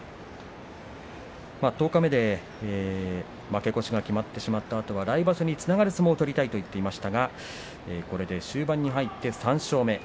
十日目で負け越しが決まったあとは、来場所につながる相撲を取りたいと言っていましたがこれで終盤に入って３勝目。